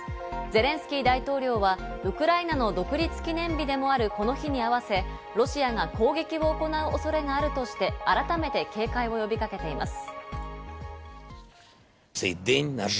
ゼレンスキー大統領はウクライナの独立記念日でもあるこの日に合わせ、ロシアが攻撃を行う恐れがあるとして改めて警戒を呼びかけています。